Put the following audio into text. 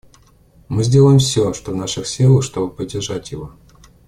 Мы сделаем все, что в наших силах, чтобы поддержать его.